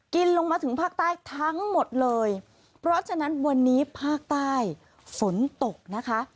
ลงมาถึงภาคใต้ทั้งหมดเลยเพราะฉะนั้นวันนี้ภาคใต้ฝนตกนะคะ